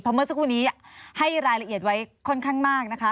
เพราะเมื่อช่วงนี้ให้รายละเอียดไว้ค่อนข้างมาก